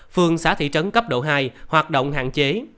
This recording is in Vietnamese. phường xã thị trấn cấp độ hai hoạt động hạn chế